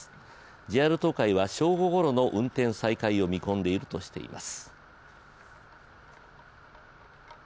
ＪＲ東海は正午ごろの運転再開を見込んでいると言うことです。